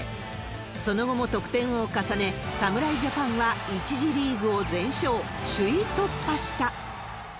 その後も得点を重ね、侍ジャパンは１次リーグを全勝、首位突破した。